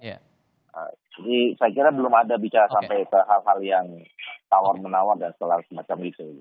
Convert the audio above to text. jadi saya kira belum ada bicara sampai hal hal yang tawar menawar dan setelah semacam itu